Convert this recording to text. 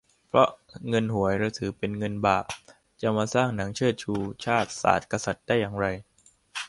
เพราะเงินหวยเราถือเป็น 'เงินบาป' จะเอามาสร้างหนังเชิดชู ชาติ ศาสน์ กษัตริย์ ได้อย่างไร